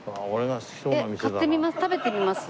買ってみます？